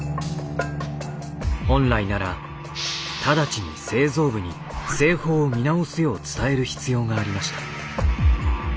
本来ならただちに製造部に製法を見直すよう伝える必要がありました。